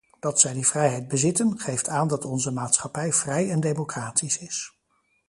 Dat zij die vrijheid bezitten, geeft aan dat onze maatschappij vrij en democratisch is.